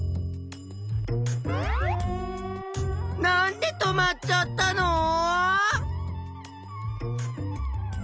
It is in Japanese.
なんで止まっちゃったの？